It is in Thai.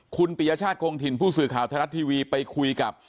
คุณปียชาติคงถิ่นผู้สื่อข่าวไทยรัฐทีวีไปคุยกับ